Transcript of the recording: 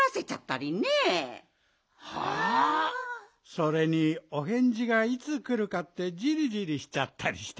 それにおへんじがいつくるかってじりじりしちゃったりして。